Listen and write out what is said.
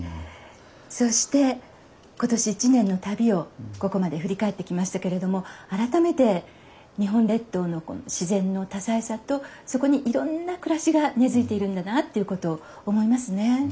そして今年一年の旅をここまで振り返ってきましたけれども改めて日本列島の自然の多彩さとそこにいろんな暮らしが根づいているんだなということを思いますね。